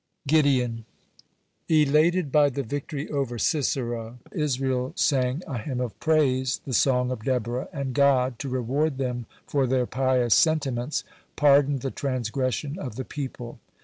(91) GIDEON Elated by the victory over Sisera, Israel sang a hymn of praise, the song of Deborah, and God, to reward them for their pious sentiments, pardoned the transgression of the people.